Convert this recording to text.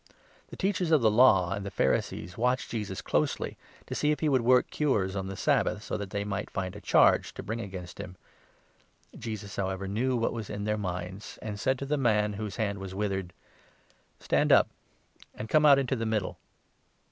The Teachers of 7 H*nd the Law and the Pharisees watched Jesus closely, to see if he would work cures on the Sabbath, so that they might find a charge to bring against him. Jesus, however, 8 kiK w what was in their minds, and said to the man whose hand was withered :" Stand up and come out into the middle."